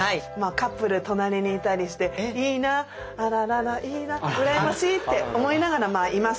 カップル隣にいたりしていいなあらららいいな羨ましいって思いながらまあいます。